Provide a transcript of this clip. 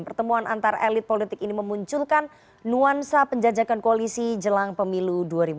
pertemuan antar elit politik ini memunculkan nuansa penjajakan koalisi jelang pemilu dua ribu dua puluh